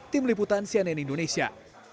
tim liputan cnn indonesia